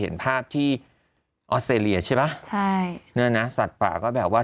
เห็นภาพที่ออสเตรเลียใช่ป่ะใช่เนี่ยนะสัตว์ป่าก็แบบว่า